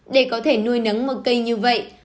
để có thể nuôi nắng một cây như vậy